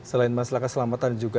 selain mas laka selamat tanjung